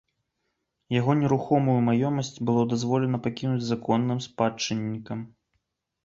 Яго нерухомую маёмасць было дазволена пакінуць законным спадчыннікам.